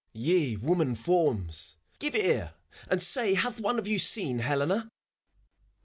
Te woman forms, give ear, and say Hath one of you seen Helena? sphinxes.